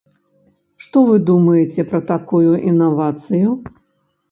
Што вы думаеце пра такую інавацыю?